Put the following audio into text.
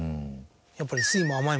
やっぱり。